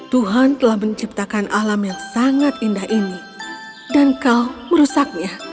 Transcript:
tuhan telah menciptakan alam yang sangat indah ini dan kau merusaknya